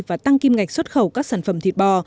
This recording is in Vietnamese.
và tăng kim ngạch xuất khẩu các sản phẩm thịt bò